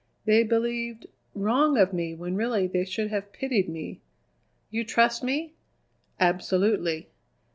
They believed wrong of me when really they should have pitied me. You trust me?" "Absolutely."